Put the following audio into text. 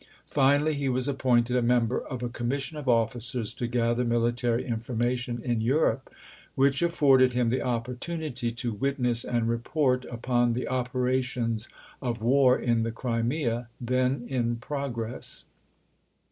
Finally he was appointed a member of a commission of officers to gather military informa tion in Europe, which afforded him the opportunity to witness and report upon the operations of war in the Crimea, then in progress.